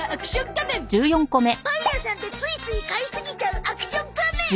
「パン屋さんでついつい買い過ぎちゃうアクション仮面」。